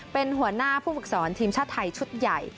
เป็นหัวหน้าผู้ฝึกสอนทีมชาติไทยชุดใหญ่